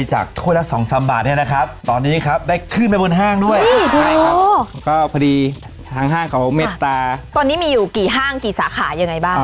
จากถ้วยละ๒๓บาทนะครับตอนนี้ครับได้ขึ้นไปบนห้าด้วยฮู้แล้วก็พอดีทางห้าก่อกแม่ชาติตอนนี้มีอยู่กี่ห้างกี่สาขาอย่างไรบ้าง